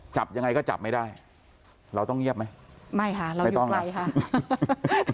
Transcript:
จับยังไงก็จับไม่ได้เราต้องเงียบไหมไม่ค่ะเราไม่ต้องอะไรค่ะ